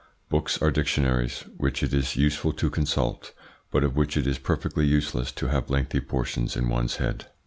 Books are dictionaries, which it is useful to consult, but of which it is perfectly useless to have lengthy portions in one's head.